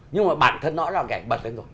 nhưng mà bản thân nó là hình ảnh bật lên rồi